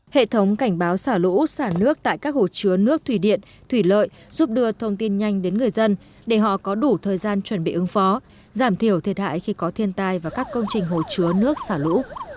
hệ thống cảnh báo xả lũ xả nước tại các hồ chứa nước thủy điện thủy lợi giúp đưa thông tin nhanh đến người dân để họ có đủ thời gian chuẩn bị ứng phó giảm thiểu thiệt hại khi có thiên tai và các công trình hồ chứa nước xả lũ